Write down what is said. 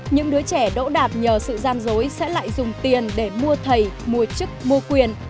những đứa trẻ đỗ đạp nhờ sự gian dối sẽ lại dùng tiền để mua thầy mua chức mua quyền